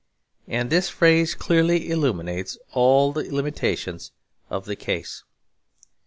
And this phrase clearly illuminates all the limitations of the case.